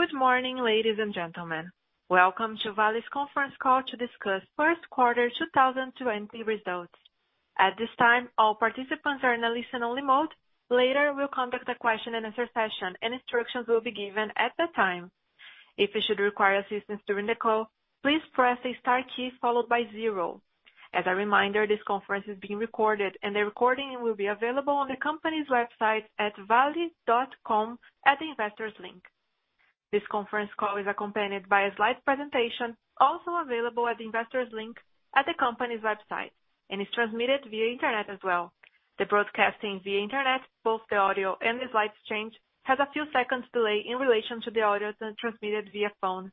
Good morning, ladies and gentlemen. Welcome to Vale's Conference Call to Discuss First Quarter 2020 Results. At this time, all participants are in a listen-only mode. Later, we'll conduct a question and answer session, and instructions will be given at that time. If you should require assistance during the call, please press the star key followed by zero. As a reminder, this conference is being recorded, and the recording will be available on the company's website at vale.com at the investors link. This conference call is accompanied by a slide presentation, also available at the investors link at the company's website and is transmitted via internet as well. The broadcasting via internet, both the audio and the slides change, has a few seconds delay in relation to the audio transmitted via phone.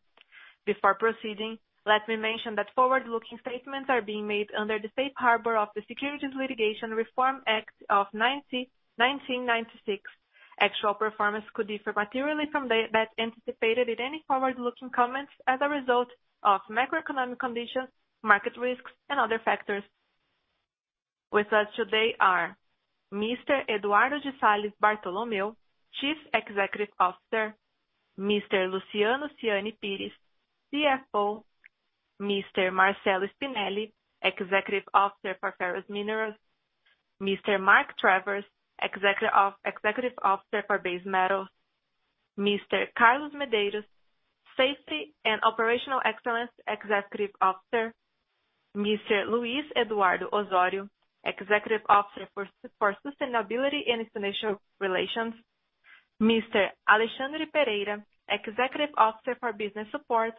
Before proceeding, let me mention that forward-looking statements are being made under the safe harbor of the Securities Litigation Reform Act of 1996. Actual performance could differ materially from that anticipated in any forward-looking comments as a result of macroeconomic conditions, market risks, and other factors. With us today are Mr. Eduardo de Salles Bartolomeo, Chief Executive Officer, Mr. Luciano Siani Pires, CFO, Mr. Marcello Spinelli, Executive Officer for Ferrous Minerals, Mr. Mark Travers, Executive Officer for Base Metals, Mr. Carlos Medeiros, Safety and Operational Excellence Executive Officer, Mr. Luiz Eduardo Osorio, Executive Officer for Sustainability and Institutional Relations, Mr. Alexandre Pereira, Executive Officer for Business Support,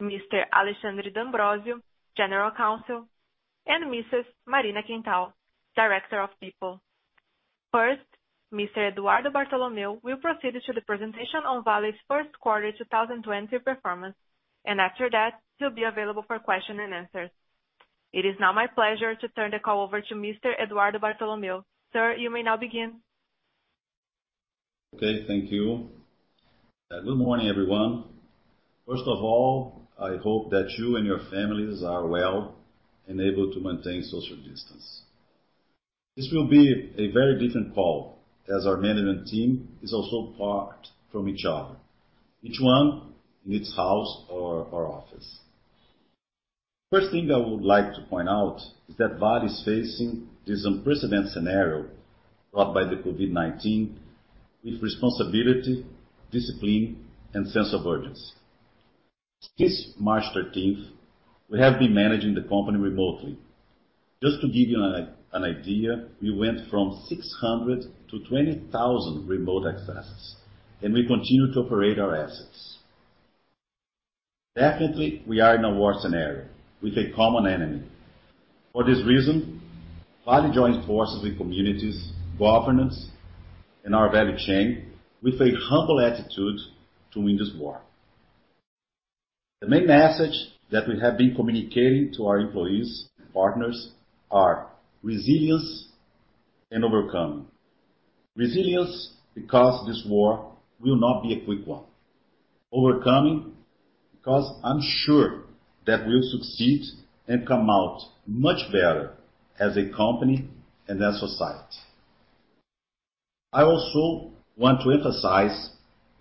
Mr. Alexandre D'Ambrosio, General Counsel, and Mrs. Marina Quental, Director of People. First, Mr. Eduardo Bartolomeo will proceed to the presentation on Vale's first quarter 2020 performance, and after that he'll be available for question and answers. It is now my pleasure to turn the call over to Mr. Eduardo Bartolomeo. Sir, you may now begin. Okay. Thank you. Good morning, everyone. First of all, I hope that you and your families are well and able to maintain social distance. This will be a very different call as our management team is also apart from each other, each one in its house or office. First thing I would like to point out is that Vale is facing this unprecedented scenario brought by the COVID-19 with responsibility, discipline, and sense of urgency. Since March 13th, we have been managing the company remotely. Just to give you an idea, we went from 600 to 20,000 remote accesses, and we continue to operate our assets. Definitely, we are in a war scenario with a common enemy. For this reason, Vale joins forces with communities, governments, and our value chain with a humble attitude to win this war. The main message that we have been communicating to our employees and partners are resilience and overcoming. Resilience because this war will not be a quick one. Overcoming because I'm sure that we'll succeed and come out much better as a company and as society. I also want to emphasize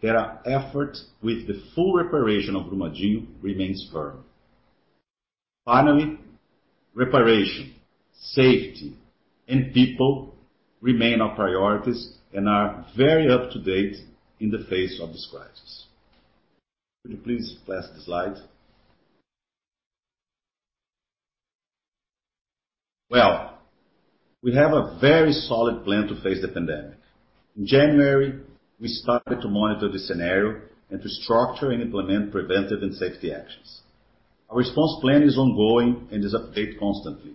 that our effort with the full reparation of Brumadinho remains firm. Finally, reparation, safety, and people remain our priorities and are very up-to-date in the face of this crisis. Could you please advance the slide? Well, we have a very solid plan to face the pandemic. In January, we started to monitor the scenario and to structure and implement preventive and safety actions. Our response plan is ongoing and is updated constantly.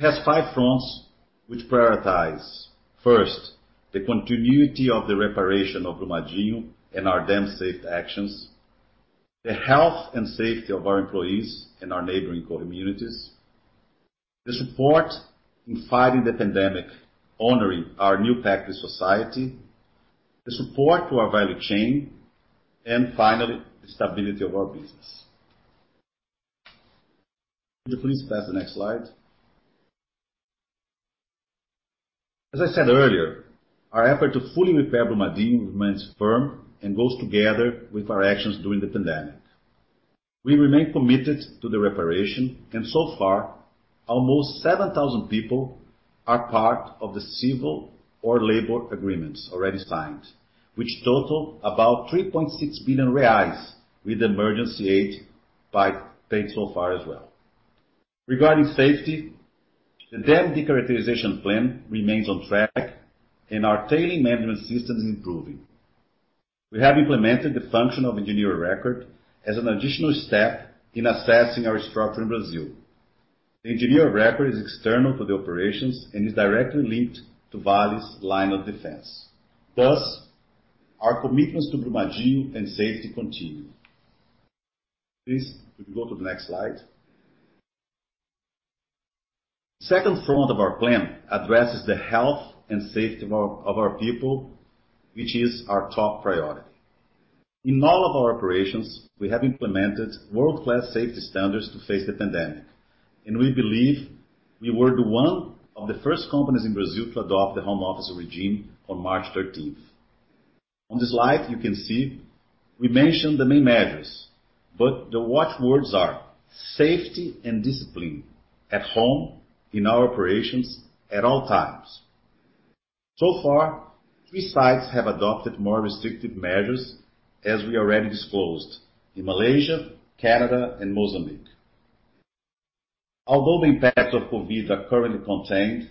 It has five fronts which prioritize, first, the continuity of the reparation of Brumadinho and our dam safety actions, the health and safety of our employees and our neighboring core communities, the support in fighting the pandemic honoring our new package to society, the support to our value chain, and finally, the stability of our business. Could you please advance the next slide? As I said earlier, our effort to fully repair Brumadinho remains firm and goes together with our actions during the pandemic. We remain committed to the reparation, and so far, almost 7,000 people are part of the civil or labor agreements already signed, which total about 3.6 billion reais with emergency aid paid so far as well. Regarding safety, the dam de-characterization plan remains on track and our tailing management system is improving. We have implemented the function of engineer of record as an additional step in assessing our structure in Brazil. The engineer of record is external to the operations and is directly linked to Vale's line of defense. Thus, our commitments to Brumadinho and safety continue. Please, could you go to the next slide? Second front of our plan addresses the health and safety of our people, which is our top priority. In all of our operations, we have implemented world-class safety standards to face the pandemic, and we believe we were one of the first companies in Brazil to adopt the home office regime on March 13th. On the slide, you can see we mentioned the main measures, but the watch words are safety and discipline at home, in our operations, at all times. So far, three sites have adopted more restrictive measures as we already disclosed, in Malaysia, Canada and Mozambique. Although the impacts of COVID are currently contained,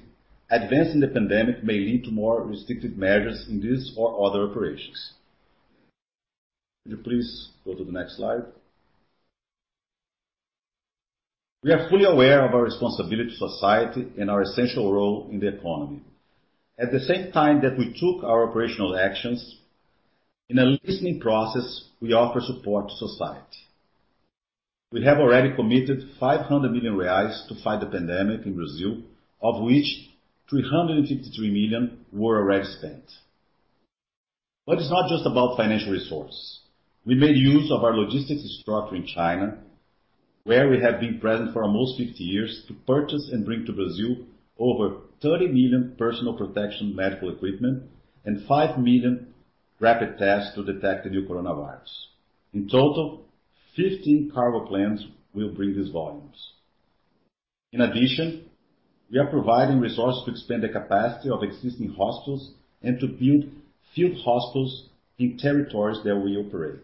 advances in the pandemic may lead to more restrictive measures in these or other operations. Could you please go to the next slide. We are fully aware of our responsibility to society and our essential role in the economy. At the same time that we took our operational actions, in a listening process, we offer support to society. We have already committed 500 million reais to fight the pandemic in Brazil, of which 353 million were already spent. It's not just about financial resource. We made use of our logistics structure in China, where we have been present for almost 50 years, to purchase and bring to Brazil over 30 million personal protection medical equipment and 5 million rapid tests to detect the new coronavirus. In total, 15 cargo planes will bring these volumes. In addition, we are providing resources to expand the capacity of existing hospitals and to build field hospitals in territories that we operate.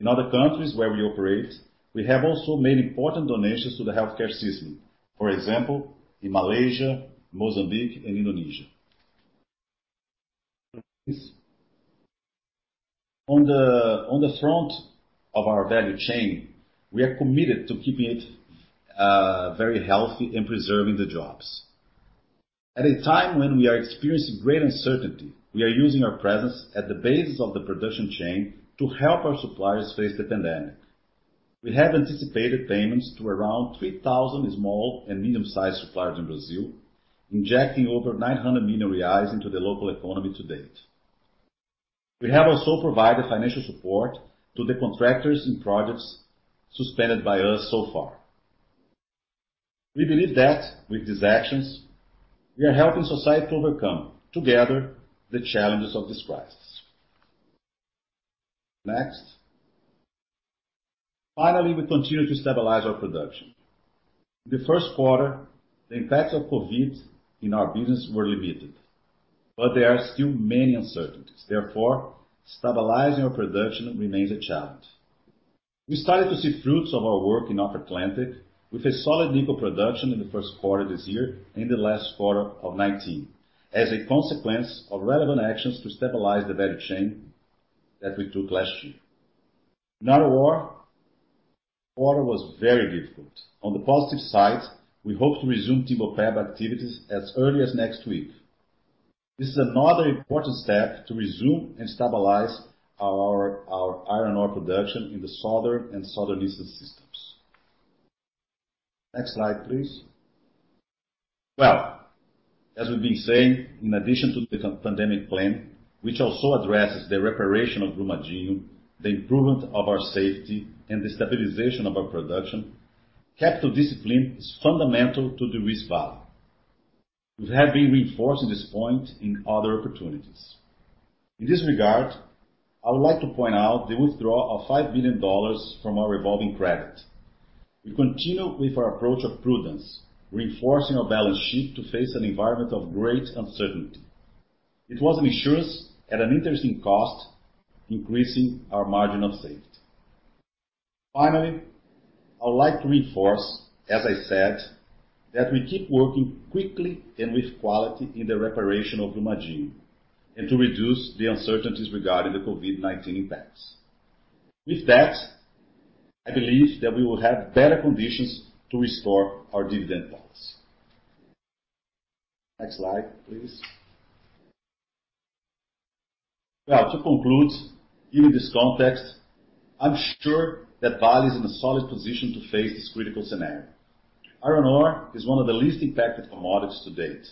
In other countries where we operate, we have also made important donations to the healthcare system. For example, in Malaysia, Mozambique, and Indonesia. On the front of our value chain, we are committed to keeping it very healthy and preserving the jobs. At a time when we are experiencing great uncertainty we are using our presence at the base of the production chain to help our suppliers face the pandemic. We have anticipated payments to around 3,000 small and medium-sized suppliers in Brazil, injecting over 900 million reais into the local economy to date. We have also provided financial support to the contractors in projects suspended by us so far. We believe that with these actions, we are helping society to overcome together the challenges of this crisis. Next. We continue to stabilize our production. In the first quarter, the impacts of COVID-19 in our business were limited. There are still many uncertainties. Stabilizing our production remains a challenge. We started to see fruits of our work in North Atlantic with a solid nickel production in the first quarter of this year and the last quarter of 2019, as a consequence of relevant actions to stabilize the value chain that we took last year. In iron ore, the quarter was very difficult. On the positive side, we hope to resume Timbopeba activities as early as next week. This is another important step to resume and stabilize our iron ore production in the Southern and Southeastern systems. Next slide, please. Well, as we've been saying, in addition to the pandemic plan, which also addresses the reparation of Brumadinho, the improvement of our safety, and the stabilization of our production, capital discipline is fundamental to de-risk Vale. We have been reinforcing this point in other opportunities. In this regard, I would like to point out the withdrawal of $5 billion from our revolving credit. We continue with our approach of prudence, reinforcing our balance sheet to face an environment of great uncertainty. It was an insurance at an interesting cost, increasing our margin of safety. Finally, I would like to reinforce, as I said, that we keep working quickly and with quality in the reparation of Brumadinho, and to reduce the uncertainties regarding the COVID-19 impacts. I believe that we will have better conditions to restore our dividend policy. Next slide, please. Well, to conclude, given this context, I'm sure that Vale is in a solid position to face this critical scenario. Iron ore is one of the least impacted commodities to date.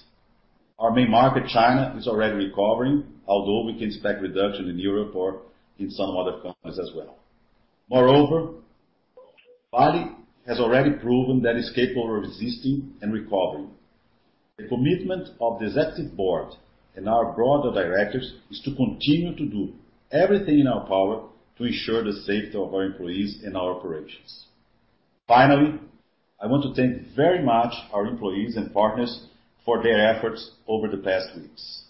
Our main market, China, is already recovering, although we can expect reduction in Europe or in some other countries as well. Vale has already proven that it's capable of resisting and recovering. The commitment of the executive board and our board of directors is to continue to do everything in our power to ensure the safety of our employees and our operations. Finally, I want to thank very much our employees and partners for their efforts over the past weeks.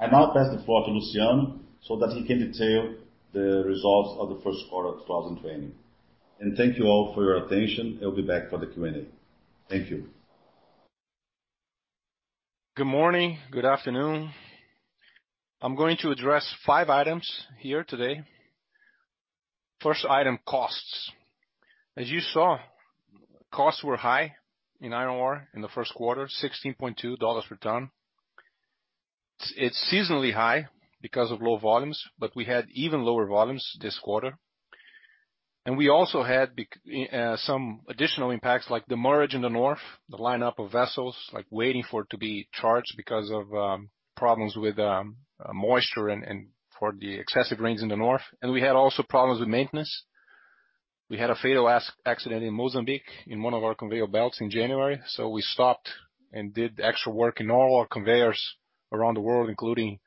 I now pass the floor to Luciano so that he can detail the results of the first quarter of 2020. Thank you all for your attention. I'll be back for the Q&A. Thank you. Good morning. Good afternoon. I'm going to address five items here today. First item, costs. As you saw, costs were high in iron ore in the first quarter, $16.2 per ton. It's seasonally high because of low volumes, we had even lower volumes this quarter. We also had some additional impacts like the mud in the north, the lineup of vessels, waiting for it to be charged because of problems with moisture and for the excessive rains in the north. We had also problems with maintenance. We had a fatal accident in Mozambique in one of our conveyor belts in January, so we stopped and did the actual work in all our conveyors around the world, including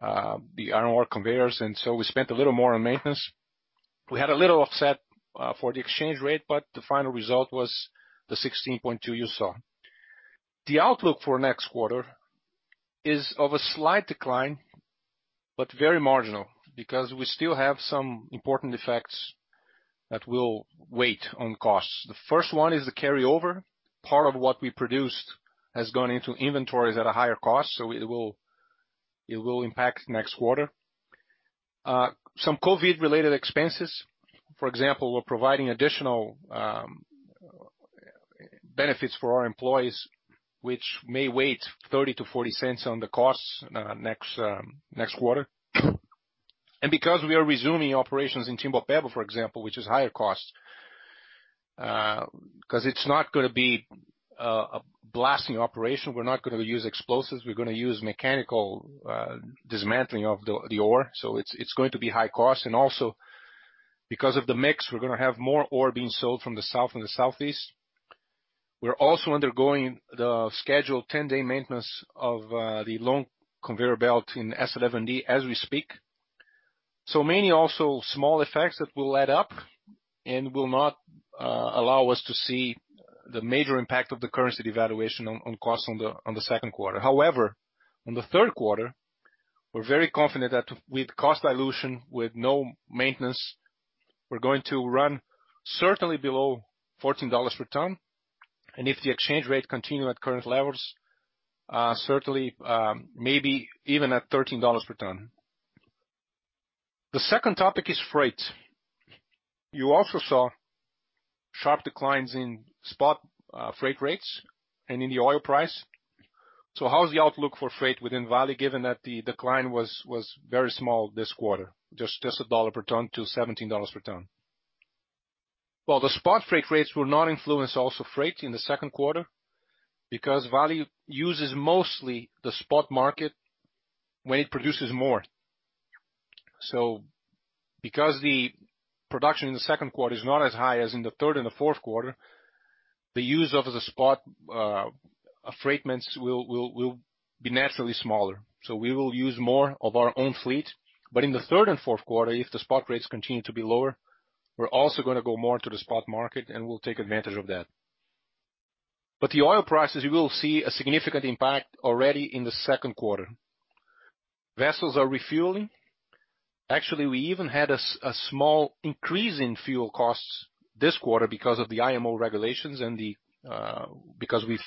the iron ore conveyors, and so we spent a little more on maintenance. We had a little offset for the exchange rate, the final result was the $16.2 you saw. The outlook for next quarter is of a slight decline, but very marginal because we still have some important effects that will weigh on costs. The first one is the carryover. Part of what we produced has gone into inventories at a higher cost, so it will impact next quarter. Some COVID-related expenses. For example, we're providing additional benefits for our employees, which may weigh $0.30-$0.40 on the costs next quarter. Because we are resuming operations in Timbopeba, for example, which is higher cost, because it's not gonna be a blasting operation, we're not gonna use explosives, we're gonna use mechanical dismantling of the ore, so it's going to be high cost. Also, because of the mix, we're gonna have more ore being sold from the south and the southeast. We're also undergoing the scheduled 10-day maintenance of the long conveyor belt in S11D as we speak. Many also small effects that will add up and will not allow us to see the major impact of the currency devaluation on costs on the second quarter. On the third quarter, we're very confident that with cost dilution, with no maintenance, we're going to run certainly below $14 per ton. If the exchange rate continue at current levels, certainly maybe even at $13 per ton. The second topic is freight. You also saw sharp declines in spot freight rates and in the oil price. How is the outlook for freight within Vale given that the decline was very small this quarter, just $1 per ton to $17 per ton? Well, the spot freight rates will not influence also freight in the second quarter because Vale uses mostly the spot market when it produces more. Because the production in the second quarter is not as high as in the third and the fourth quarter, the use of the spot freight will be naturally smaller. We will use more of our own fleet. In the third and fourth quarter, if the spot rates continue to be lower, we're also gonna go more into the spot market, and we'll take advantage of that. The oil prices, you will see a significant impact already in the second quarter. Vessels are refueling. Actually, we even had a small increase in fuel costs this quarter because of the IMO regulations and because we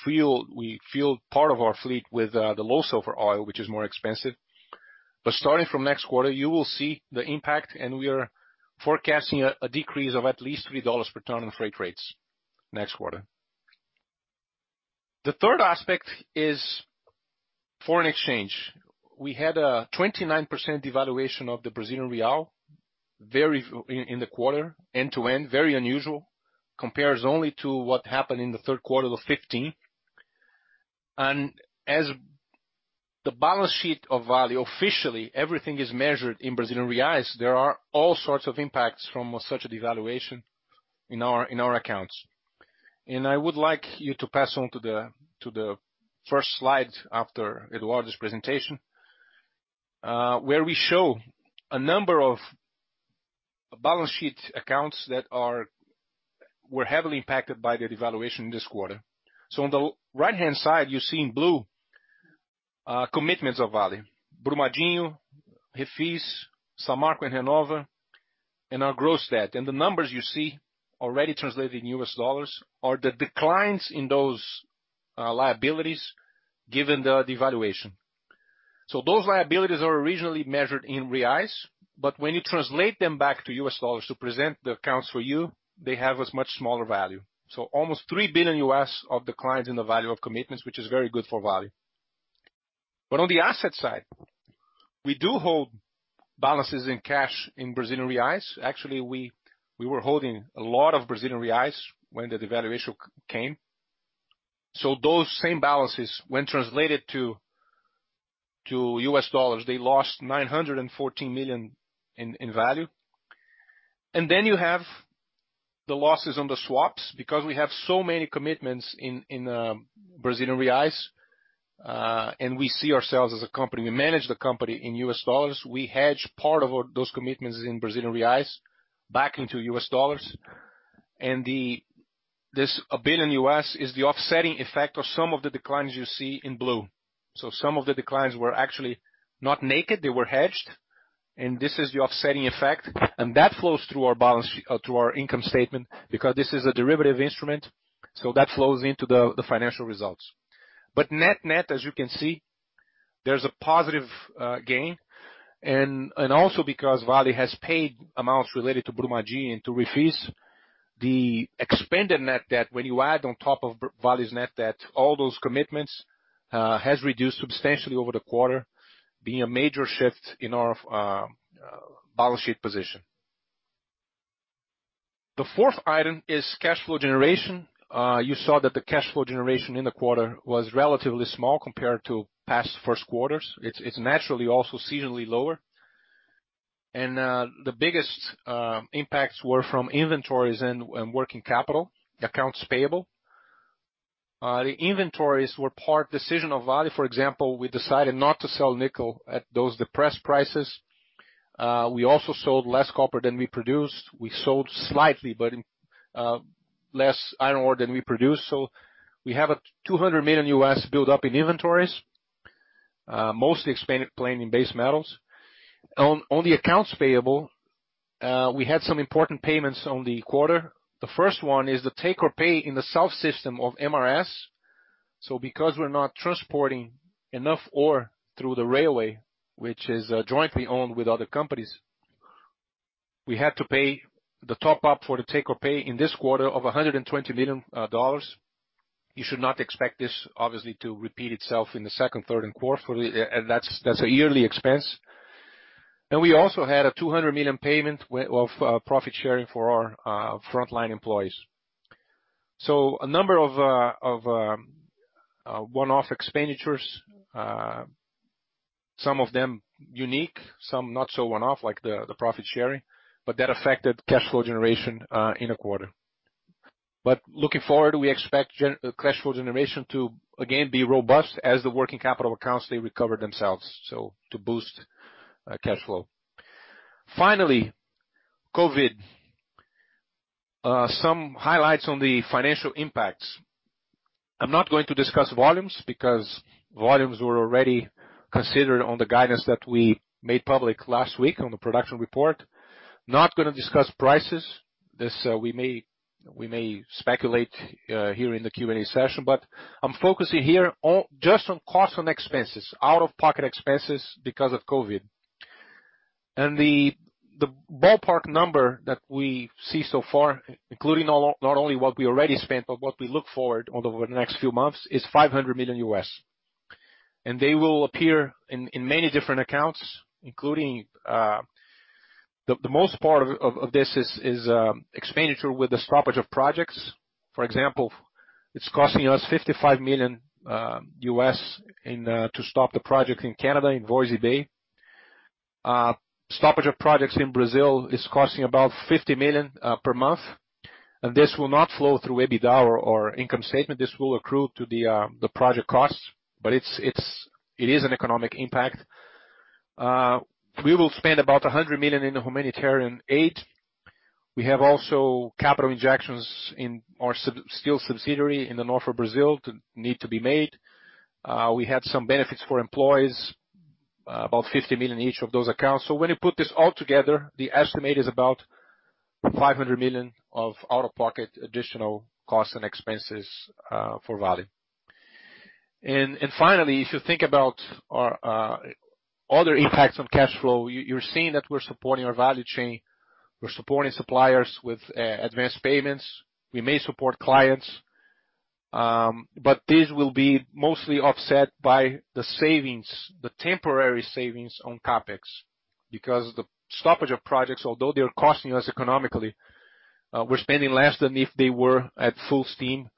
fueled part of our fleet with the low sulfur oil, which is more expensive. Starting from next quarter, you will see the impact, and we are forecasting a decrease of at least $3 per ton on freight rates next quarter. The third aspect is foreign exchange. We had a 29% devaluation of the Brazilian Real in the quarter, end-to-end, very unusual, compares only to what happened in the third quarter of 2015. As the balance sheet of Vale, officially, everything is measured in Brazilian Reais, there are all sorts of impacts from such a devaluation in our accounts. I would like you to pass on to the first slide after Eduardo's presentation, where we show a number of balance sheet accounts that were heavily impacted by the devaluation this quarter. On the right-hand side, you see in blue, commitments of Vale, Brumadinho, Refis, Samarco and Renova, and our gross debt. The numbers you see already translated in U.S. dollars are the declines in those liabilities given the devaluation. Those liabilities are originally measured in reais, but when you translate them back to U.S. dollars to present the accounts for you, they have a much smaller value. Almost 3 billion U.S. of declines in the value of commitments, which is very good for Vale. On the asset side, we do hold balances in cash in Brazilian reais. Actually, we were holding a lot of Brazilian reais when the devaluation came. Those same balances, when translated to U.S. dollars, they lost $914 million in value. You have the losses on the swaps because we have so many commitments in Brazilian reais, and we see ourselves as a company. We manage the company in U.S. dollars. We hedge part of those commitments in Brazilian reais back into U.S. dollars. This a billion U.S. is the offsetting effect of some of the declines you see in blue. Some of the declines were actually not naked. They were hedged, and this is the offsetting effect, and that flows through our income statement because this is a derivative instrument, so that flows into the financial results. Net-net, as you can see, there's a positive gain. Also because Vale has paid amounts related to Brumadinho and to Refis. The expanded net debt, when you add on top of Vale's net debt, all those commitments, has reduced substantially over the quarter, being a major shift in our balance sheet position. The fourth item is cash flow generation. You saw that the cash flow generation in the quarter was relatively small compared to past first quarters. It's naturally also seasonally lower. The biggest impacts were from inventories and working capital, accounts payable. The inventories were part decision of Vale. For example, we decided not to sell nickel at those depressed prices. We also sold less copper than we produced. We sold slightly less iron ore than we produced. We have a $200 million U.S. buildup in inventories, mostly expanded playing in base metals. On the accounts payable, we had some important payments on the quarter. The first one is the take-or-pay in the south system of MRS. Because we're not transporting enough ore through the railway, which is jointly owned with other companies, we had to pay the top up for the take-or-pay in this quarter of $120 million. You should not expect this, obviously, to repeat itself in the second, third, and fourth. That's a yearly expense. We also had a $200 million payment of profit sharing for our frontline employees. A number of one-off expenditures, some of them unique, some not so one-off, like the profit sharing, but that affected cash flow generation in a quarter. Looking forward, we expect cash flow generation to again be robust as the working capital accounts, they recover themselves, so to boost cash flow. Finally, COVID. Some highlights on the financial impacts. I'm not going to discuss volumes because volumes were already considered on the guidance that we made public last week on the production report. Not gonna discuss prices. This we may speculate here in the Q&A session, but I'm focusing here just on costs and expenses, out-of-pocket expenses because of COVID. The ballpark number that we see so far, including not only what we already spent, but what we look forward over the next few months, is $500 million U.S. They will appear in many different accounts, including the most part of this is expenditure with the stoppage of projects. For example, it's costing us $55 million U.S. to stop the project in Canada, in Voisey's Bay. Stoppage of projects in Brazil is costing about $50 million per month, and this will not flow through EBITDA or income statement. This will accrue to the project cost, but it is an economic impact. We will spend about $100 million in humanitarian aid. We have also capital injections in our steel subsidiary in the north of Brazil that need to be made. We had some benefits for employees, about $50 million each of those accounts. When you put this all together, the estimate is about $500 million of out-of-pocket additional costs and expenses for Vale. Finally, if you think about other impacts on cash flow, you're seeing that we're supporting our value chain. We're supporting suppliers with advanced payments. We may support clients, but this will be mostly offset by the temporary savings on CapEx, because the stoppage of projects, although they're costing us economically, we're spending less than if they were at full steam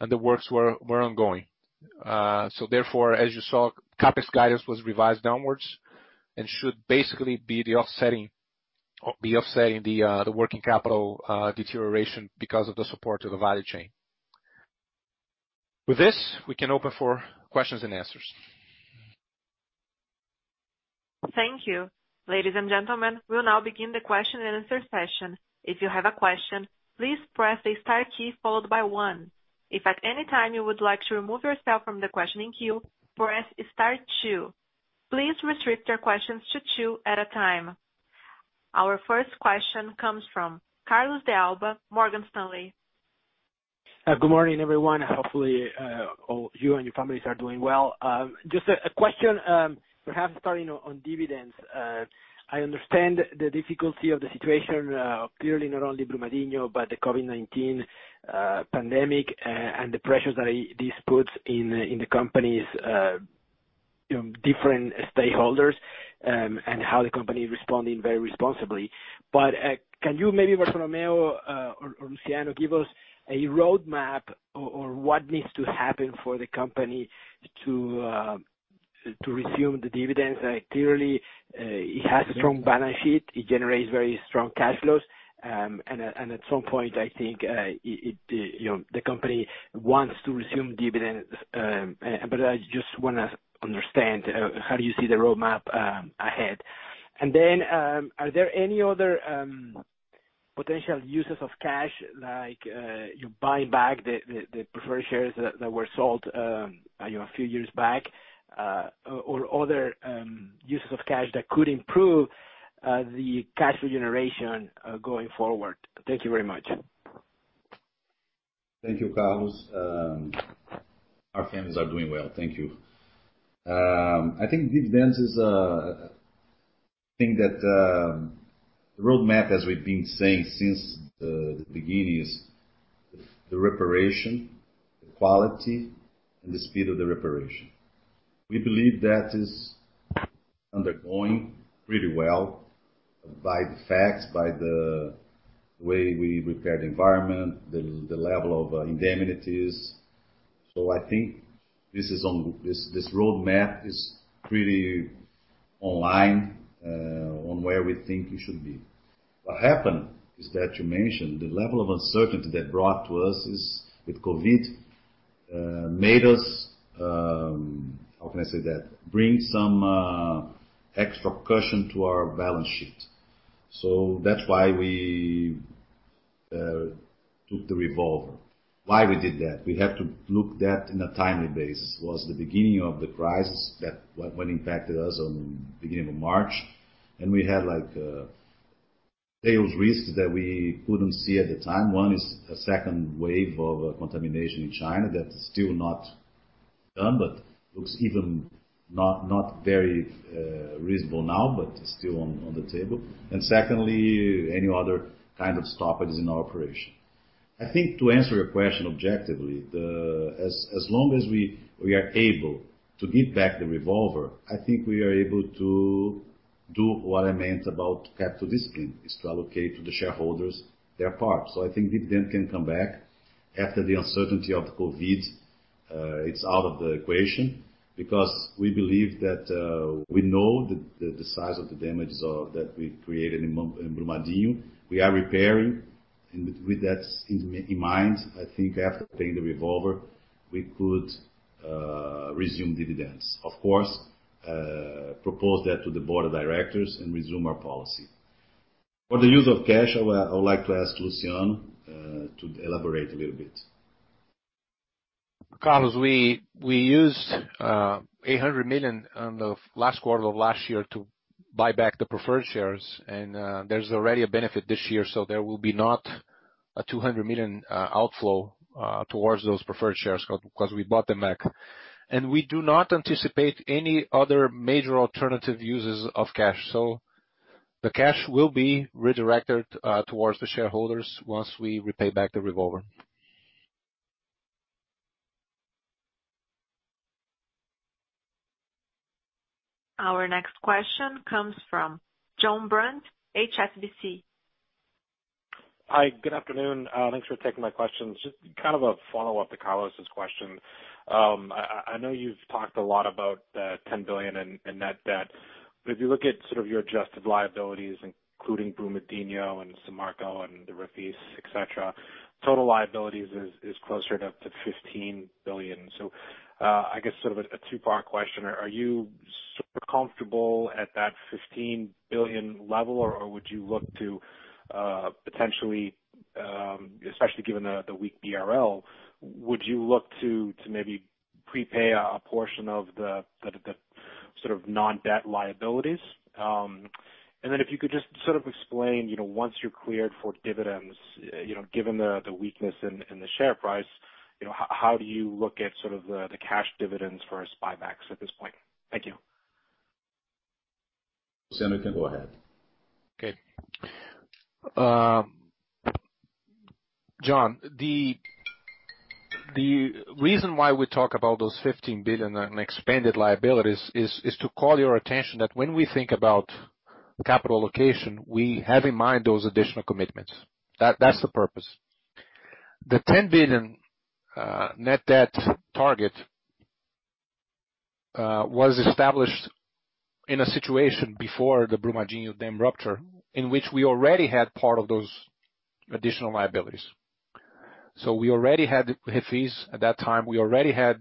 and the works were ongoing. As you saw, CapEx guidance was revised downwards and should basically be offsetting the working capital deterioration because of the support of the value chain. With this, we can open for questions and answers. Thank you. Ladies and gentlemen, we'll now begin the question and answer session. If you have a question, please press the star key followed by one. If at any time you would like to remove yourself from the questioning queue, press star two. Please restrict your questions to two at a time. Our first question comes from Carlos De Alba, Morgan Stanley. Good morning, everyone. Hopefully, you and your families are doing well. Just a question, perhaps starting on dividends. I understand the difficulty of the situation, clearly not only Brumadinho, but the COVID-19 pandemic, and the pressures that this puts in the company's different stakeholders, and how the company is responding very responsibly. Can you maybe, Bartolomeo or Luciano, give us a roadmap or what needs to happen for the company to resume the dividends? Clearly, it has a strong balance sheet. It generates very strong cash flows. At some point, I think the company wants to resume dividends, but I just wanna understand, how do you see the roadmap ahead? Are there any other potential uses of cash, like you buying back the preferred shares that were sold a few years back, or other uses of cash that could improve the cash flow generation going forward? Thank you very much. Thank you, Carlos. Our families are doing well. Thank you. I think dividends is a thing that the roadmap, as we've been saying since the beginning, is the reparation, the quality, and the speed of the reparation. We believe that is undergoing really well by the facts, by the way we repair the environment, the level of indemnities. I think this roadmap is pretty online, on where we think we should be. What happened is that you mentioned the level of uncertainty that brought to us is with COVID, made us, how can I say that? Bring some extra caution to our balance sheet. That's why we took the revolver. Why we did that? We had to look that in a timely basis. Was the beginning of the crisis that what impacted us on beginning of March, and we had tail risks that we couldn't see at the time. One is a second wave of contamination in China. That's still not done, but looks even not very reasonable now, but still on the table. Secondly, any other kind of stoppages in our operation. I think to answer your question objectively, as long as we are able to give back the revolver, I think we are able to do what I meant about capital discipline, is to allocate to the shareholders their part. I think dividend can come back after the uncertainty of COVID is out of the equation, because we believe that, we know the size of the damages that we created in Brumadinho. We are repairing, and with that in mind, I think after paying the revolver, we could resume dividends. Of course, propose that to the board of directors and resume our policy. For the use of cash, I would like to ask Luciano to elaborate a little bit. Carlos, we used 800 million on the last quarter of last year to buy back the preferred shares, and there's already a benefit this year, so there will be not a 200 million outflow towards those preferred shares because we bought them back. we do not anticipate any other major alternative uses of cash. the cash will be redirected towards the shareholders once we repay back the revolver. Our next question comes from John Brandt, HSBC. Hi, good afternoon. Thanks for taking my questions. Just kind of a follow-up to Carlos's question. I know you've talked a lot about the 10 billion in net debt, but if you look at sort of your adjusted liabilities, including Brumadinho and Samarco and the Refis, et cetera, total liabilities is closer to 15 billion. I guess sort of a two-part question. Are you sort of comfortable at that 15 billion level, or would you look to potentially, especially given the weak BRL, would you look to maybe prepay a portion of the sort of non-debt liabilities? if you could just sort of explain, once you're cleared for dividends, given the weakness in the share price, how do you look at sort of the cash dividends versus buybacks at this point? Thank you. Luciano can go ahead. Okay. John, the reason why we talk about those 15 billion in expanded liabilities is to call your attention that when we think about capital allocation, we have in mind those additional commitments. That's the purpose. The 10 billion net debt target was established in a situation before the Brumadinho dam rupture, in which we already had part of those additional liabilities. we already had Refis at that time, we already had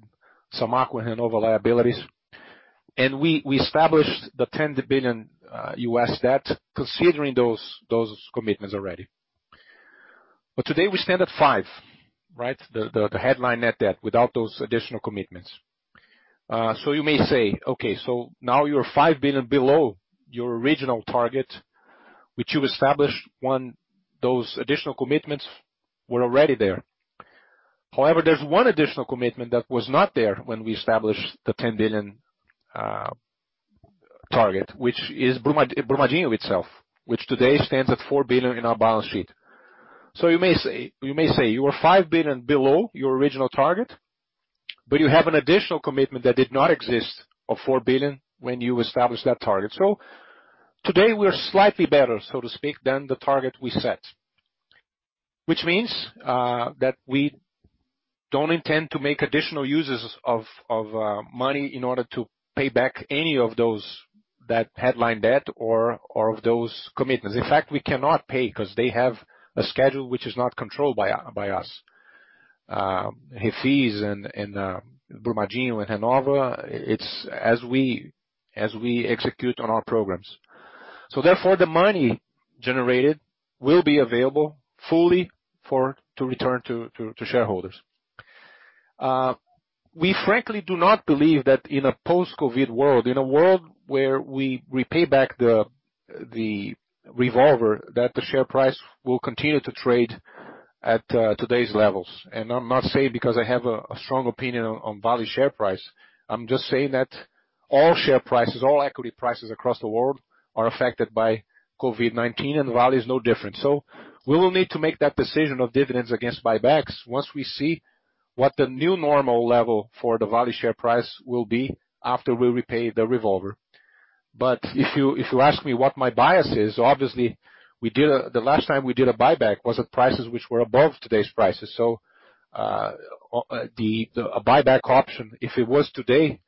Samarco and Renova liabilities, and we established the 10 billion USD debt considering those commitments already. today we stand at five, right? The headline net debt without those additional commitments. you may say, "Okay, so now you're five billion below your original target, which you established when those additional commitments were already there." However, there's one additional commitment that was not there when we established the $10 billion target, which is Brumadinho itself, which today stands at $4 billion in our balance sheet. you may say, "You are $5 billion below your original target, but you have an additional commitment that did not exist of $4 billion when you established that target." today we are slightly better, so to speak, than the target we set. Which means, that we don't intend to make additional uses of money in order to pay back any of those that headline debt or of those commitments. In fact, we cannot pay because they have a schedule which is not controlled by us. Refis and Brumadinho and Renova, it's as we execute on our programs. The money generated will be available fully to return to shareholders. We frankly do not believe that in a post-COVID world, in a world where we pay back the revolver, that the share price will continue to trade at today's levels. I'm not saying because I have a strong opinion on Vale share price. I'm just saying that all share prices, all equity prices across the world are affected by COVID-19, and Vale is no different. We will need to make that decision of dividends against buybacks once we see what the new normal level for the Vale share price will be after we repay the revolver. If you ask me what my bias is, obviously, the last time we did a buyback was at prices which were above today's prices. A buyback option, if it was today,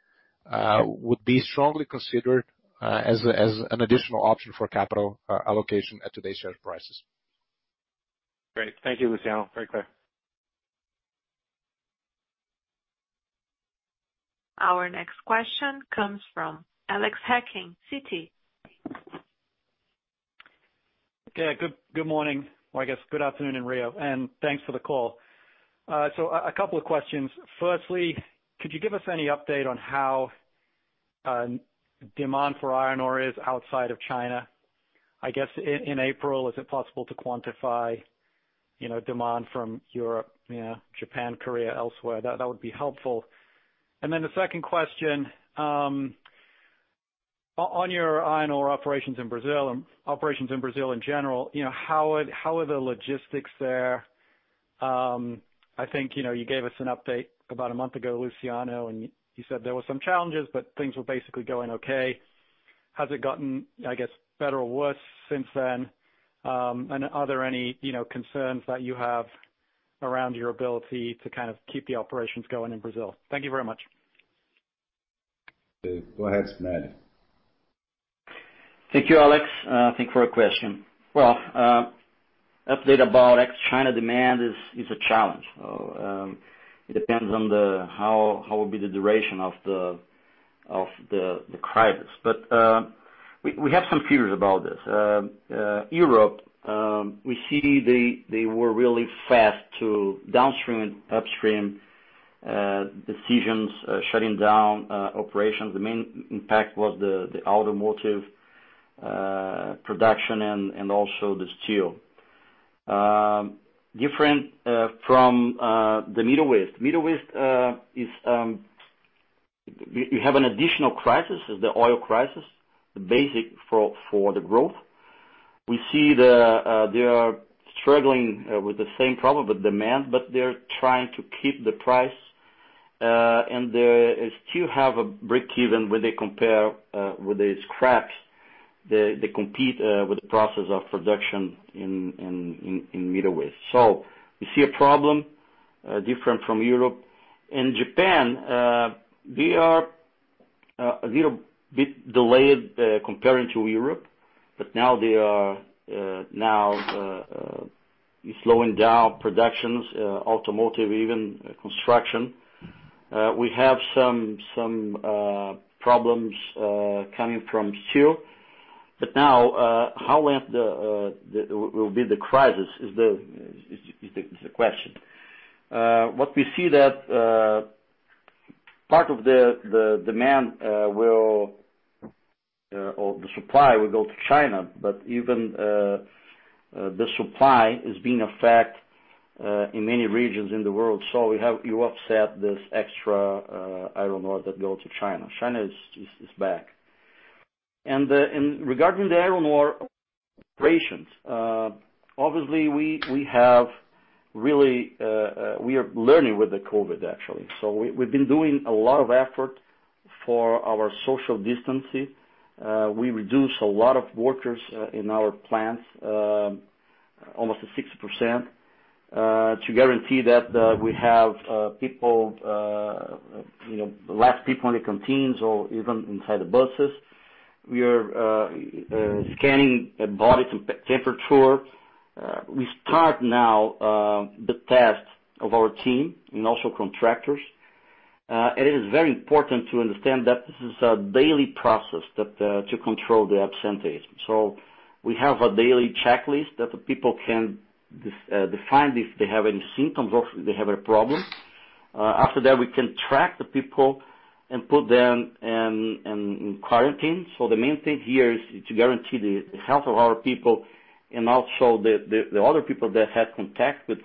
would be strongly considered as an additional option for capital allocation at today's share prices. Great. Thank you, Luciano. Very clear. Our next question comes from Alex Hacking, Citi. Okay. Good morning. Well, I guess good afternoon in Rio, and thanks for the call. A couple of questions. Firstly, could you give us any update on how demand for iron ore is outside of China? I guess, in April, is it possible to quantify demand from Europe, Japan, Korea, elsewhere? That would be helpful. The second question, on your iron ore operations in Brazil, and operations in Brazil in general, how are the logistics there? I think you gave us an update about a month ago, Luciano, and you said there were some challenges, but things were basically going okay. Has it gotten, I guess, better or worse since then? Are there any concerns that you have around your ability to kind of keep the operations going in Brazil? Thank you very much. Go ahead, Spinelli. Thank you, Alex. Thank you for your question. Well, update about ex-China demand is a challenge. It depends on how will be the duration of the crisis. We have some theories about this. Europe, we see they were really fast to downstream and upstream decisions, shutting down operations. The main impact was the automotive production and also the steel. Different from the Middle East. Middle East, you have an additional crisis, is the oil crisis, the basis for the growth. We see they are struggling with the same problem with demand, but they're trying to keep the price, and they still have a break-even where they compare with the scrap. They compete with the process of production in Middle East. You see a problem different from Europe. In Japan, they are a little bit delayed comparing to Europe. Now they are slowing down productions, automotive, even construction. We have some problems coming from steel. Now, how will be the crisis is the question. What we see that part of the demand or the supply will go to China, but even the supply is being affected in many regions in the world. You offset this extra iron ore that go to China. China is back. Regarding the iron ore operations, obviously we are learning with the COVID, actually. We've been doing a lot of effort for our social distancing. We reduce a lot of workers in our plants, almost a 60%, to guarantee that we have less people in the canteens or even inside the buses. We are scanning body temperature. We start now the test of our team and also contractors. It is very important to understand that this is a daily process to control the absenteeism. We have a daily checklist that the people can define if they have any symptoms or if they have a problem. After that, we can track the people and put them in quarantine. The main thing here is to guarantee the health of our people and also the other people that had contact with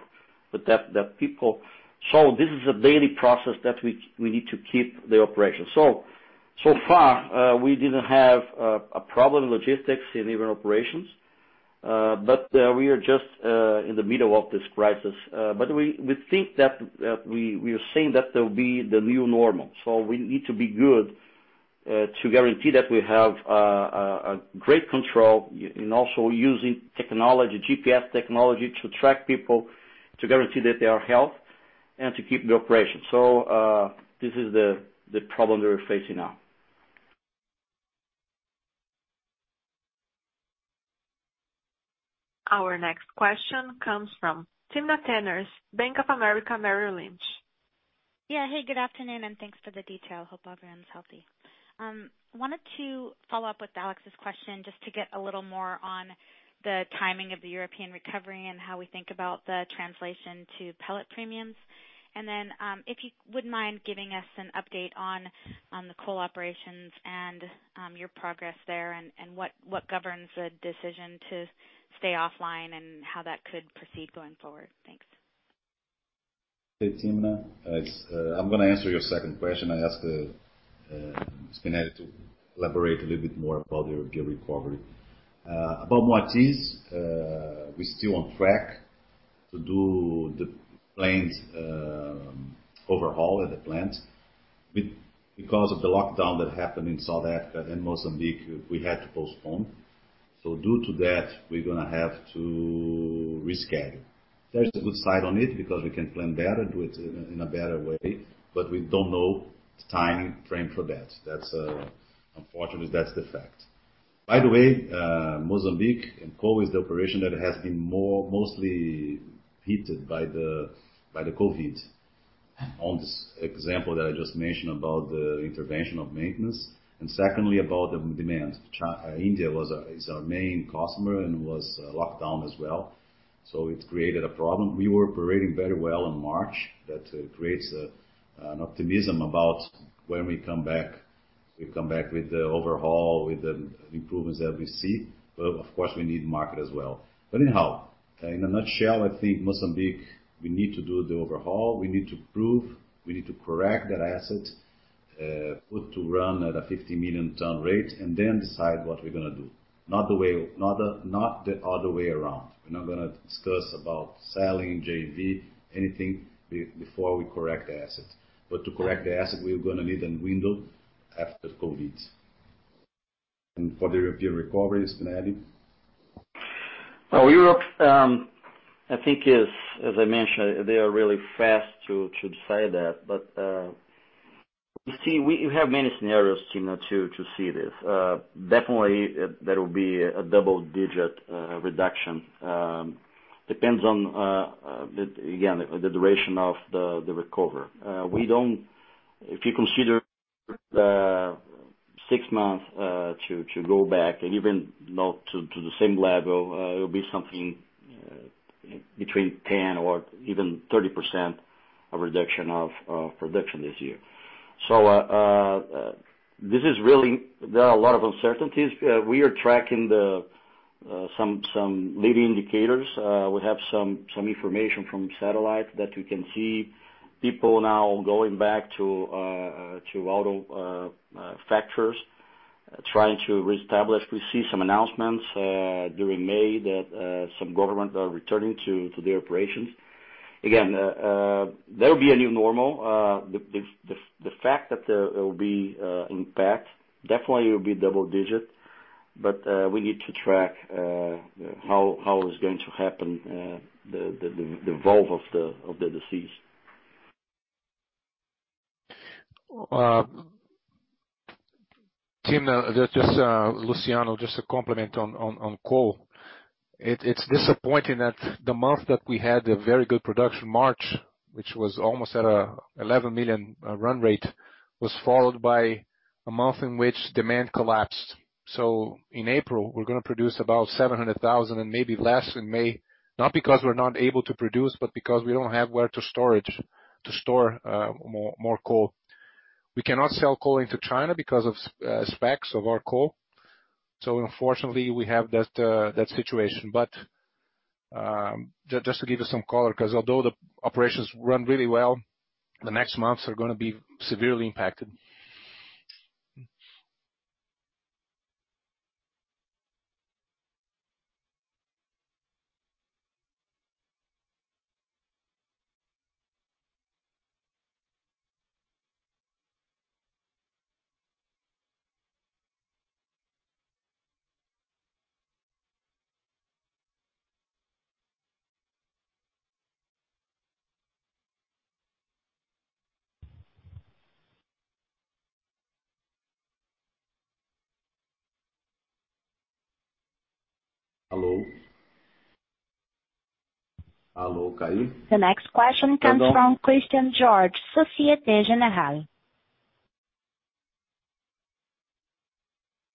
the affected people. This is a daily process that we need to keep the operation. So far, we didn't have a logistics problem in our operations, but we are just in the middle of this crisis. We think that we are seeing that there will be the new normal. We need to be good to guarantee that we have a great control and also using GPS technology to track people, to guarantee that they are healthy, and to keep the operation. This is the problem we are facing now. Our next question comes from Timna Tanners, Bank of America Merrill Lynch. Yeah. Hey, good afternoon, and thanks for the detail. Hope everyone's healthy. Wanted to follow up with Alex's question just to get a little more on the timing of the European recovery and how we think about the translation to pellet premiums. If you wouldn't mind giving us an update on the coal operations and your progress there and what governs the decision to stay offline and how that could proceed going forward. Thanks. Hey, Timna. I'm going to answer your second question. I ask Spinelli to elaborate a little bit more about the recovery. About Moatize, we're still on track to do the plant overhaul at the plant. Because of the lockdown that happened in South Africa and Mozambique, we had to postpone. Due to that, we're going to have to reschedule. There's a good side on it because we can plan better, do it in a better way, but we don't know the timeframe for that. Unfortunately, that's the fact. By the way, Mozambique and coal is the operation that has been mostly hit by the COVID. On this example that I just mentioned about the intervention of maintenance, and secondly, about the demand. India is our main customer and was locked down as well. It created a problem. We were operating very well in March. That creates an optimism about when we come back, we come back with the overhaul, with the improvements that we see. Of course, we need market as well. Anyhow, in a nutshell, I think Mozambique, we need to do the overhaul. We need to prove, we need to correct that asset, put to run at a 15 million ton rate, and then decide what we're going to do. Not the other way around. We're not going to discuss about selling JV, anything before we correct the asset. To correct the asset, we're going to need a window after COVID. For the European recovery, Spinelli. Europe, I think is, as I mentioned, they are really fast to decide that. you see, we have many scenarios, Timna, to see this. Definitely, there will be a double-digit reduction. Depends on, again, the duration of the recovery. If you consider six months to go back and even not to the same level, it'll be something between 10% or even 30% of reduction of production this year. There are a lot of uncertainties. We are tracking some leading indicators. We have some information from satellite that we can see people now going back to auto factories, trying to reestablish. We see some announcements during May that some governments are returning to their operations. Again, there will be a new normal. The fact that there will be impact, definitely it will be double digit. we need to track how it's going to happen, the evolve of the disease. Timna, Luciano, just to complement on coal. It's disappointing that the month that we had a very good production, March, which was almost at an 11 million run rate, was followed by a month in which demand collapsed. in April, we're going to produce about 700,000 and maybe less in May, not because we're not able to produce, but because we don't have where to store more coal. We cannot sell coal into China because of specs of our coal. unfortunately, we have that situation. just to give you some color, because although the operations run really well, the next months are going to be severely impacted. Hello? Hello, Cai? The next question comes from Christian Georges, Société Générale.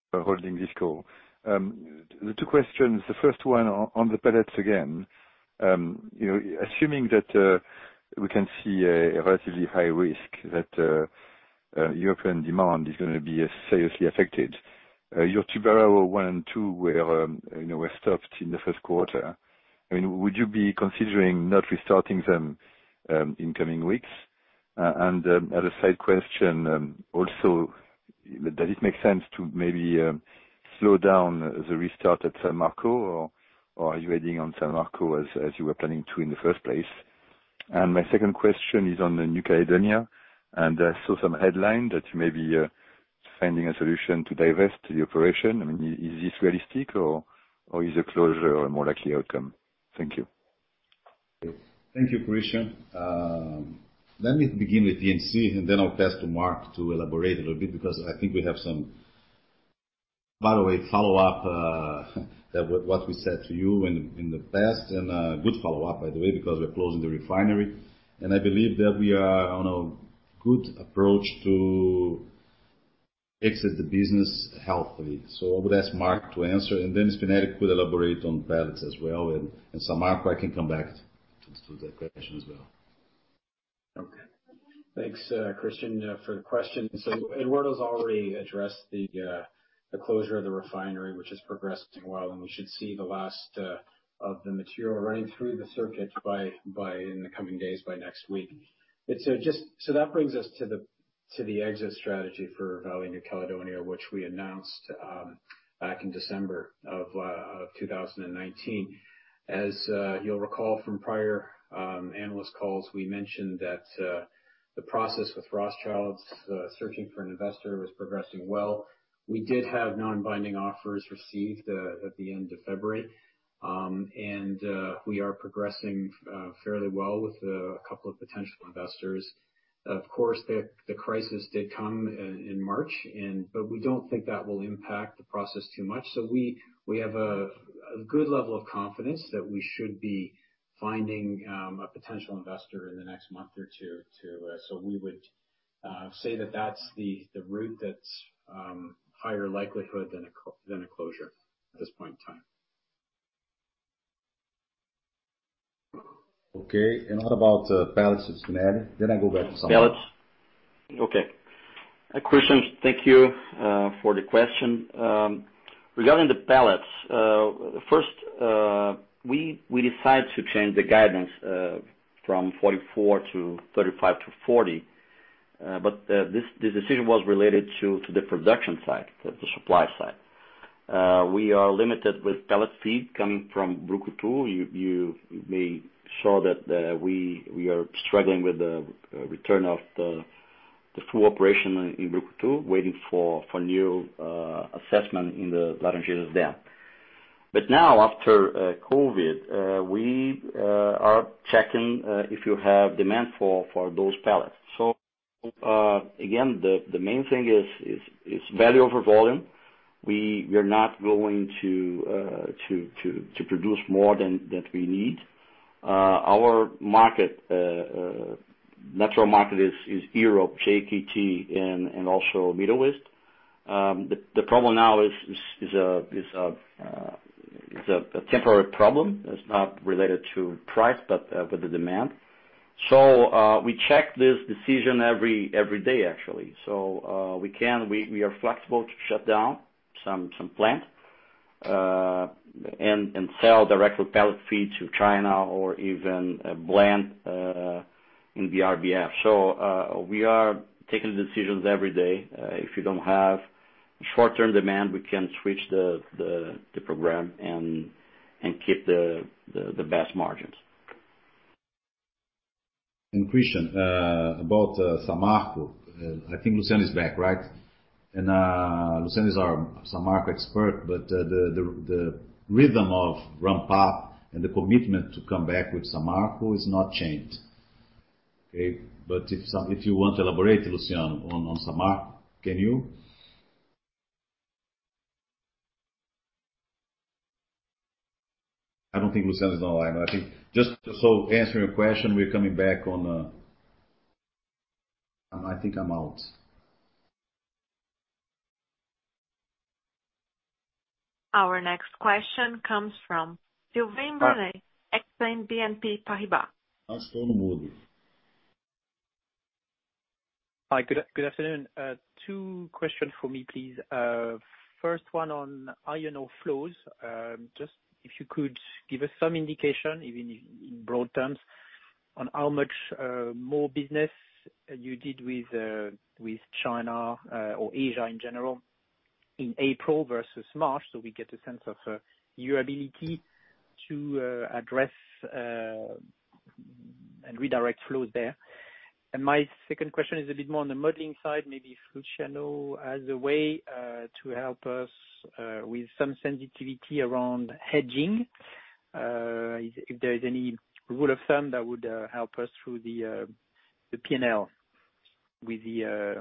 For holding this call. The two questions, the first one on the pellets again. Assuming that we can see a relatively high risk that European demand is going to be seriously affected. Your Tubarão one and two were stopped in the first quarter. Would you be considering not restarting them in coming weeks? as a side question, also, does it make sense to maybe slow down the restart at Samarco, or are you waiting on Samarco as you were planning to in the first place? my second question is on the New Caledonia. I saw some headline that you may be finding a solution to divest the operation. Is this realistic, or is a closure a more likely outcome? Thank you. Thank you, Christian. Let me begin with VNC, and then I'll pass to Mark to elaborate a little bit because I think we have some, by the way, follow-up what we said to you in the past, and good follow-up, by the way, because we're closing the refinery. I believe that we are on a good approach to exit the business healthily. I would ask Mark to answer, and then Spinelli could elaborate on pellets as well. Samarco, I can come back to that question as well. Okay. Thanks, Christian, for the question. Eduardo's already addressed the closure of the refinery, which has progressed well, and we should see the last of the material running through the circuit in the coming days, by next week. That brings us to the exit strategy for Vale New Caledonia, which we announced back in December of 2019. As you'll recall from prior analyst calls, we mentioned that the process with Rothschild searching for an investor was progressing well. We did have non-binding offers received at the end of February. We are progressing fairly well with a couple of potential investors. Of course, the crisis did come in March, but we don't think that will impact the process too much. We have a good level of confidence that we should be finding a potential investor in the next month or two. We would say that that's the route that's higher likelihood than a closure at this point in time. Okay. What about pellets, Spinelli? I go back to Samarco. Pellets? Okay. Christian, thank you for the question. Regarding the pellets, first, we decided to change the guidance from 44 to 35 to 40. This decision was related to the production side, the supply side. We are limited with pellet feed coming from Brucutu. You may saw that we are struggling with the return of the full operation in Brucutu, waiting for new assessment in the Laranjeiras dam. Now after COVID, we are checking if you have demand for those pellets. Again, the main thing is value over volume. We are not going to produce more than we need. Our natural market is Europe, JKT, and also Middle East. The problem now is a temporary problem. It's not related to price, but with the demand. We check this decision every day, actually. We are flexible to shut down some plant, and sell directly pellet feed to China or even a blend in the BRBF. We are taking the decisions every day. If you don't have short-term demand, we can switch the program and keep the best margins. Christian, about Samarco. I think Luciano is back, right? Luciano is our Samarco expert, the rhythm of ramp-up and the commitment to come back with Samarco is not changed. Okay. If you want to elaborate, Luciano, on Samarco, can you? I don't think Luciano is online, but I think just so answering your question, we're coming back on the. I think I'm out. Our next question comes from Sylvain Brunet, Exane BNP Paribas. I'm still on the move. Hi, good afternoon. Two questions for me, please. First one on iron ore flows. Just if you could give us some indication, even in broad terms, on how much more business you did with China or Asia in general in April versus March, so we get a sense of your ability to address and redirect flows there. My second question is a bit more on the modeling side, maybe Luciano has a way to help us with some sensitivity around hedging. If there is any rule of thumb that would help us through the P&L with the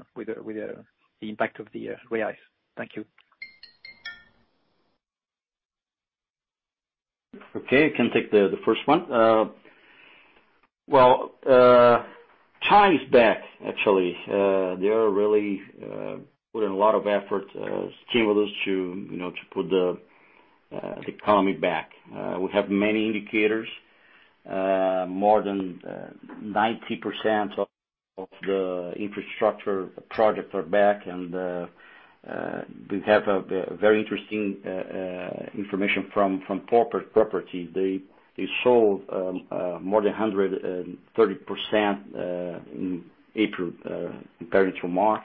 impact of the realized. Thank you. Okay, can take the first one. Well, China is back, actually. They are really putting a lot of effort, stimulus to put the economy back. We have many indicators. More than 90% of the infrastructure projects are back, and we have a very interesting information from corporate property. They sold more than 130% in April compared to March.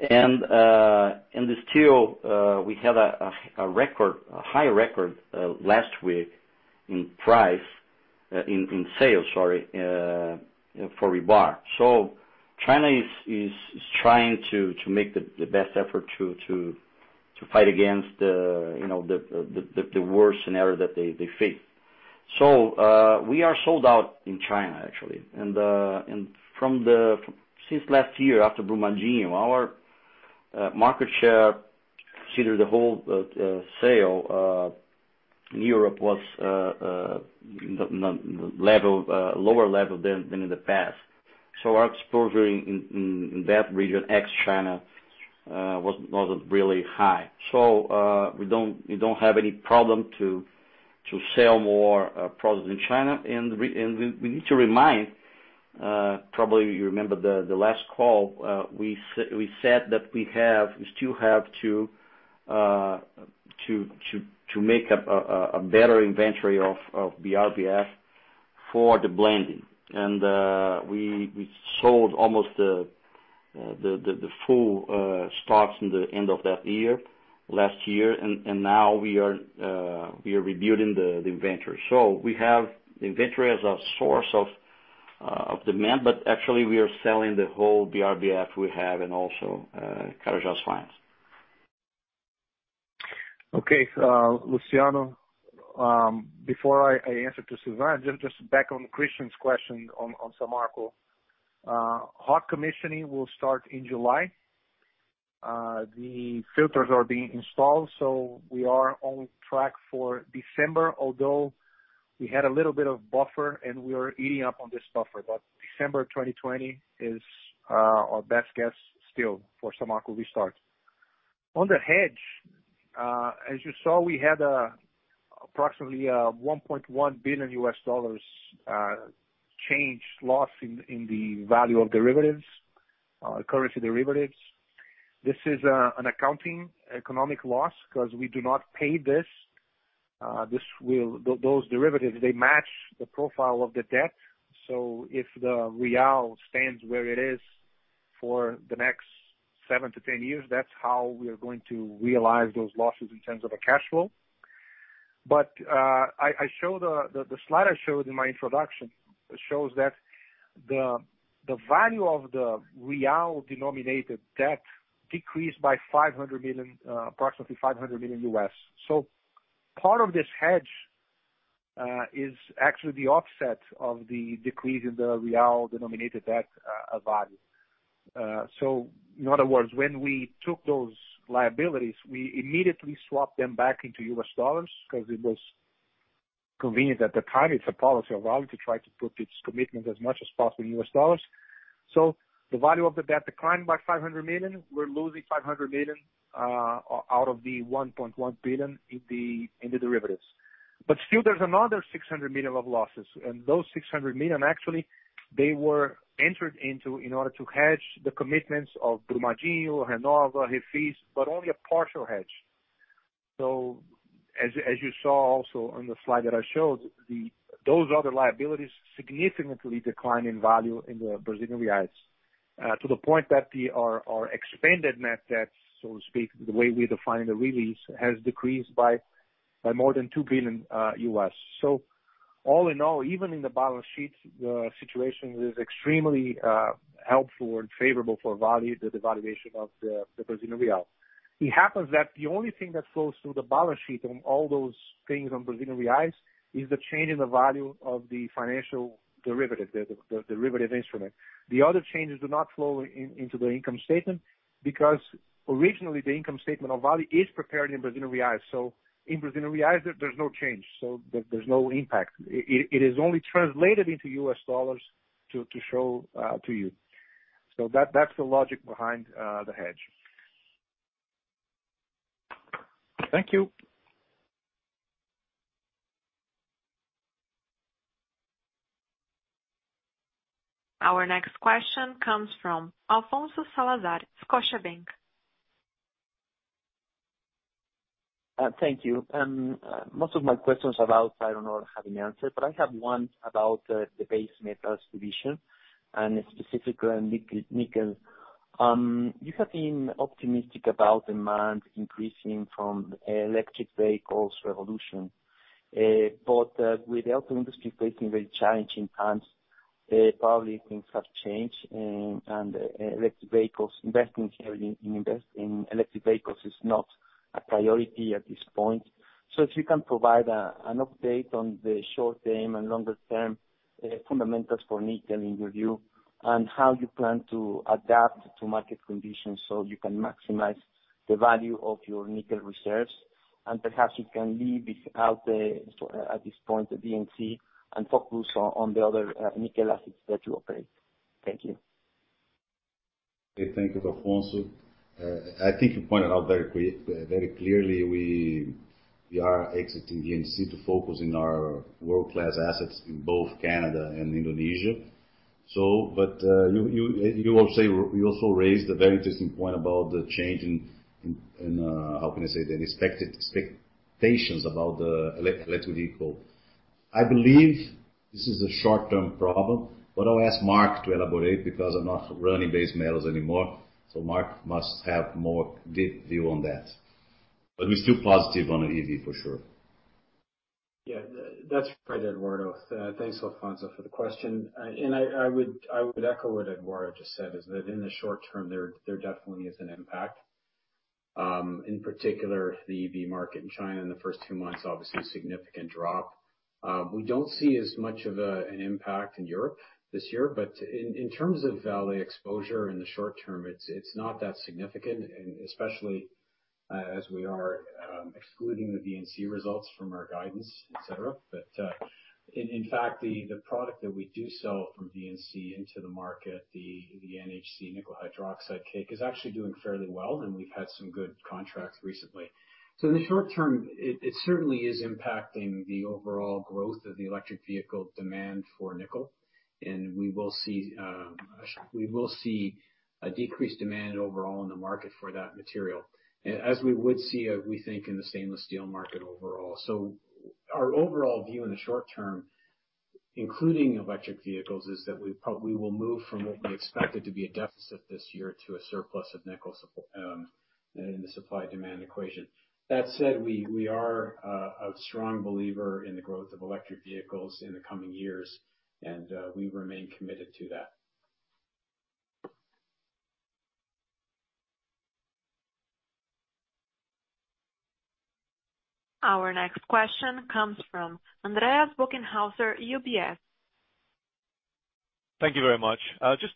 The steel, we had a high record last week in sales, for rebar. China is trying to make the best effort to fight against the worst scenario that they face. We are sold out in China, actually. Since last year after Brumadinho, our market share, considering the whole sale, in Europe was lower level than in the past. Our exposure in that region, ex-China, wasn't really high. We don't have any problem to sell more products in China. We need to remind, probably you remember the last call, we said that we still have to make a better inventory of BRBF for the blending. We sold almost the full stocks in the end of that year, last year, and now we are rebuilding the inventory. We have the inventory as a source of demand, but actually, we are selling the whole BRBF we have and also Carajás mines. Okay. Luciano, before I answer to Sylvain, just back on Christian's question on Samarco. Hot commissioning will start in July. The filters are being installed, so we are on track for December, although we had a little bit of buffer, and we are eating up on this buffer. December 2020 is our best guess still for Samarco restart. On the hedge, as you saw, we had approximately $1.1 billion U.S. dollars exchange loss in the value of currency derivatives. This is an accounting economic loss because we do not pay this. Those derivatives, they match the profile of the debt. If the real stands where it is for the next seven to 10 years, that's how we are going to realize those losses in terms of a cash flow. The slide I showed in my introduction shows that the value of the real denominated debt decreased by approximately $500 million U.S. Part of this hedge is actually the offset of the decrease in the real denominated debt value. In other words, when we took those liabilities, we immediately swapped them back into U.S. dollars because it was convenient at the time. It's a policy of ours to try to put its commitment as much as possible in U.S. dollars. The value of the debt declined by $500 million. We're losing $500 million out of the $1.1 billion in the derivatives. Still there's another $600 million of losses, and those $600 million, actually, they were entered into in order to hedge the commitments of Brumadinho, Renova, Refis, but only a partial hedge. As you saw also on the slide that I showed, those other liabilities significantly decline in value in the Brazilian reals to the point that our expanded net debt, so to speak, the way we define the release, has decreased by more than $2 billion U.S. All in all, even in the balance sheet, the situation is extremely helpful and favorable for Vale, the devaluation of the Brazilian real. It happens that the only thing that flows through the balance sheet on all those things on Brazilian reals is the change in the value of the financial derivative, the derivative instrument. The other changes do not flow into the income statement because originally the income statement of Vale is prepared in Brazilian reals. In Brazilian reals, there's no change. There's no impact. It is only translated into U.S. dollars to show to you. that's the logic behind the hedge. Thank you. Our next question comes from Alfonso Salazar, Scotiabank. Thank you. Most of my questions about iron ore have been answered, but I have one about the base metals division, and specifically nickel. You have been optimistic about demand increasing from electric vehicles revolution. With the auto industry facing very challenging times, probably things have changed, and investing in electric vehicles is not a priority at this point. If you can provide an update on the short-term and longer-term fundamentals for nickel in your view, and how you plan to adapt to market conditions so you can maximize the value of your nickel reserves. Perhaps you can leave out at this point the VNC, and focus on the other nickel assets that you operate. Thank you. Thank you, Alfonso. I think you pointed out very clearly we are exiting VNC to focus on our world-class assets in both Canada and Indonesia. You also raised a very interesting point about the change in, how can I say that? Expectations about the electric vehicle. I believe this is a short-term problem, but I'll ask Mark to elaborate because I'm not running base metals anymore. Mark must have a more deep view on that. We're still positive on EV for sure. Yeah, that's right, Eduardo. Thanks, Alfonso, for the question. I would echo what Eduardo just said, is that in the short term, there definitely is an impact. In particular, the EV market in China in the first two months, obviously, a significant drop. We don't see as much of an impact in Europe this year, but in terms of Vale exposure in the short term, it's not that significant, especially as we are excluding the VNC results from our guidance, et cetera. In fact, the product that we do sell from VNC into the market, the NHC nickel hydroxide cake, is actually doing fairly well, and we've had some good contracts recently. In the short term, it certainly is impacting the overall growth of the electric vehicle demand for nickel. We will see a decreased demand overall in the market for that material, as we would see, we think, in the stainless steel market overall. Our overall view in the short term, including electric vehicles, is that we will move from what we expected to be a deficit this year to a surplus of nickel in the supply-demand equation. That said, we are a strong believer in the growth of electric vehicles in the coming years, and we remain committed to that. Our next question comes from Andreas Bokkenheuser, UBS. Thank you very much.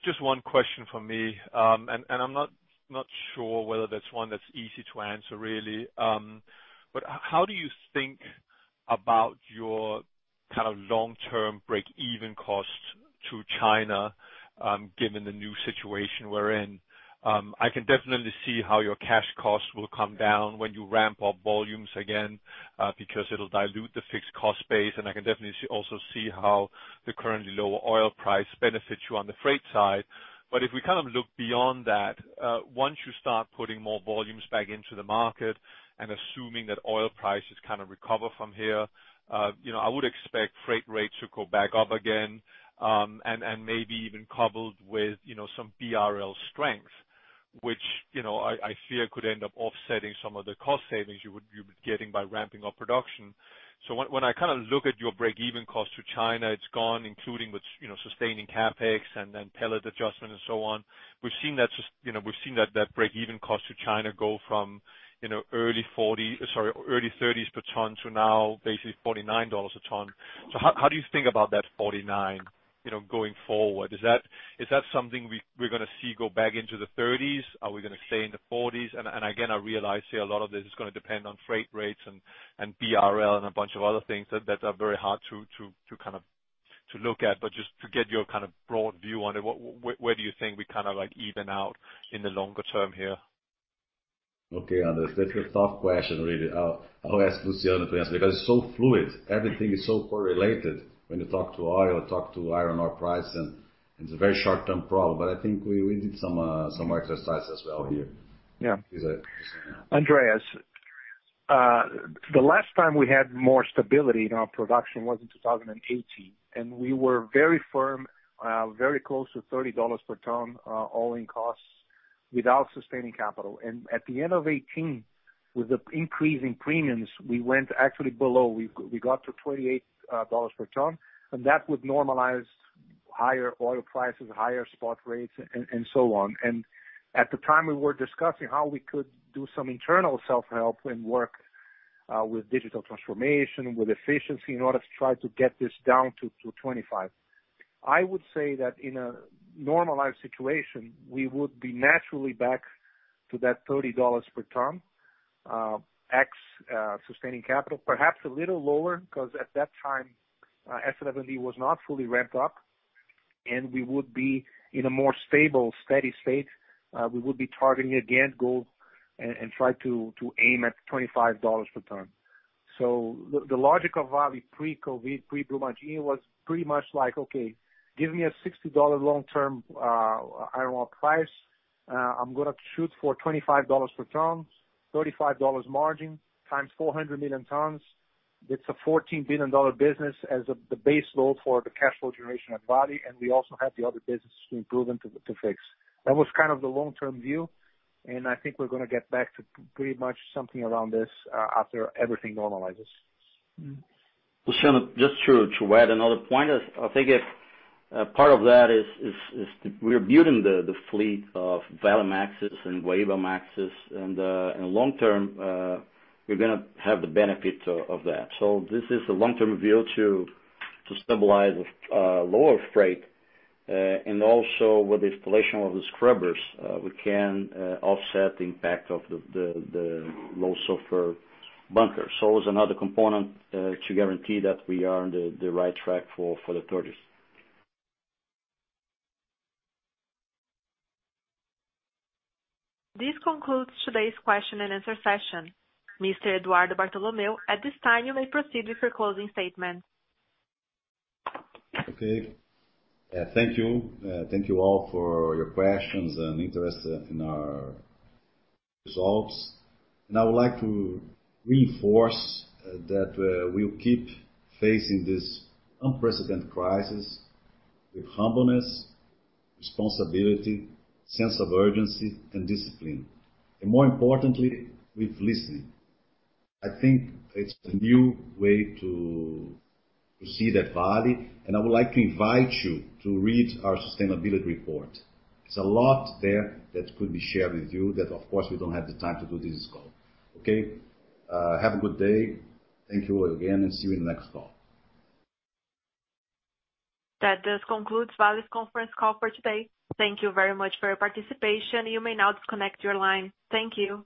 Just one question from me, and I'm not sure whether that's one that's easy to answer, really. How do you think about your long-term break-even cost to China, given the new situation we're in? I can definitely see how your cash costs will come down when you ramp up volumes again, because it'll dilute the fixed cost base, and I can definitely also see how the current low oil price benefits you on the freight side. If we look beyond that, once you start putting more volumes back into the market and assuming that oil prices recover from here, I would expect freight rates to go back up again, and maybe even coupled with some BRL strength. Which I fear could end up offsetting some of the cost savings you would be getting by ramping up production. When I look at your break-even cost to China, it's gone, including with sustaining CapEx and then pellet adjustment and so on. We've seen that break-even cost to China go from early $30s per ton to now basically $49 a ton. How do you think about that 49 going forward? Is that something we're going to see go back into the 30s? Are we going to stay in the 40s? Again, I realize here a lot of this is going to depend on freight rates and BRL and a bunch of other things that are very hard to look at. Just to get your broad view on it, where do you think we even out in the longer term here? Okay, Andreas, that's a tough question, really. I'll ask Luciano to answer because it's so fluid. Everything is so correlated when you talk to oil or talk to iron ore price, and it's a very short-term problem, but I think we did some exercise as well here. Yeah. Andreas, the last time we had more stability in our production was in 2018, we were very firm, very close to $30 per ton all-in costs without sustaining capital. At the end of 2018, with the increase in premiums, we went actually below, we got to $28 per ton, and that would normalize higher oil prices, higher spot rates, and so on. At the time, we were discussing how we could do some internal self-help and work with digital transformation, with efficiency in order to try to get this down to 25. I would say that in a normalized situation, we would be naturally back to that $30 per ton, ex sustaining capital, perhaps a little lower, because at that time, S11D was not fully ramped up, and we would be in a more stable, steady state. We would be targeting again goal and try to aim at $25 per ton. The logic of Vale pre-COVID-19, pre-Brumadinho, was pretty much like, okay, give me a $60 long-term iron ore price. I'm gonna shoot for $25 per ton, $35 margin times 400 million tons. It's a $14 billion business as the base load for the cash flow generation at Vale, and we also have the other businesses to improve and to fix. That was the long-term view, and I think we're gonna get back to pretty much something around this after everything normalizes. Luciano, just to add another point. I think part of that is we're building the fleet of Valemaxes and Guaibamax, in the long term, we're gonna have the benefit of that. This is a long-term view to stabilize lower freight. Also, with the installation of the scrubbers, we can offset the impact of the low sulfur bunker. It's another component to guarantee that we are on the right track for the thirties. This concludes today's question and answer session. Mr. Eduardo Bartolomeo, at this time, you may proceed with your closing statement. Okay. Thank you. Thank you all for your questions and interest in our results. I would like to reinforce that we'll keep facing this unprecedented crisis with humbleness, responsibility, sense of urgency, and discipline. More importantly, with listening. I think it's the new way to see that value, and I would like to invite you to read our sustainability report. There's a lot there that could be shared with you that, of course, we don't have the time to do this call. Okay. Have a good day. Thank you all again, and see you in the next call. That does conclude Vale's conference call for today. Thank you very much for your participation. You may now disconnect your line. Thank you.